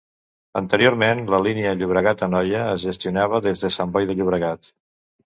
Anteriorment la línia Llobregat-Anoia es gestionava des de Sant Boi de Llobregat.